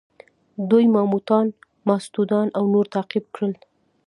دوی ماموتان، ماستودان او نور تعقیب کړل.